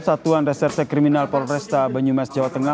satuan reserse kriminal polresta banyumas jawa tengah